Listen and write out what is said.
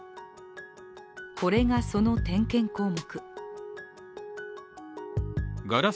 これがその点検項目。